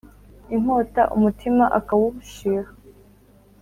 inkota umutima ukawushiha